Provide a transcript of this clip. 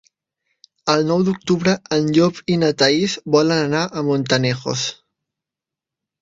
El nou d'octubre en Llop i na Thaís volen anar a Montanejos.